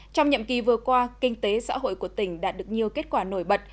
trong nhậm kỳ vừa qua kinh tế xã hội của tỉnh đã được nhiều kết quả nổi bật